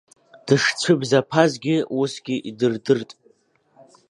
Дышцәыбзаԥазгьы усгьы идырдырт.